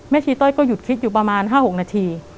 ชีต้อยก็หยุดคิดอยู่ประมาณ๕๖นาที